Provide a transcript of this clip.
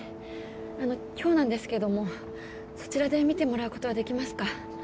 あの今日なんですけどもそちらで診てもらう事はできますか？